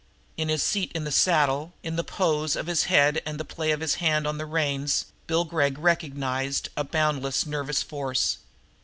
In his seat in the saddle, in the poise of his head and the play of his hand on the reins Bill Gregg recognized a boundless nervous force.